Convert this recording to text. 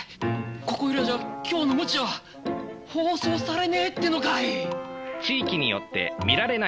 ここいらじゃ「今日の鞭」は放送されねえってのかい！